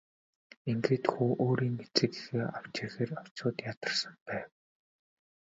Ингээд хүү өөрийн эцэг эхээ авч ирэхээр очиход ядарсан байв.